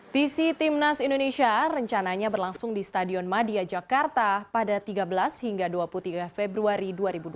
tisi timnas indonesia rencananya berlangsung di stadion madia jakarta pada tiga belas hingga dua puluh tiga februari dua ribu dua puluh